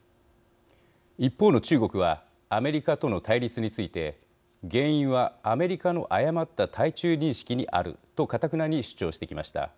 一方の中国はアメリカとの対立について原因はアメリカの誤った対中認識にあるとかたくなに主張してきました。